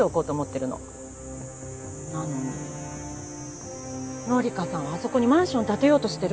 なのに紀香さんはあそこにマンションを建てようとしてる。